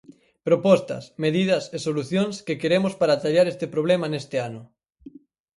Propostas, medidas e solucións que queremos para atallar este problema neste ano.